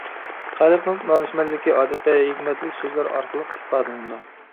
خەلقنىڭ دانىشمەنلىكى، ئادەتتە، ھېكمەتلىك سۆزلەر ئارقىلىق ئىپادىلىنىدۇ.